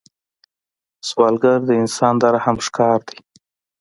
سوالګر د انسان د رحم ښکار دی